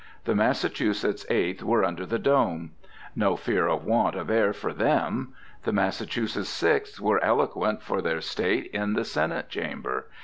The Massachusetts Eighth were under the dome. No fear of want of air for them. The Massachusetts Sixth were eloquent for their State in the Senate Chamber.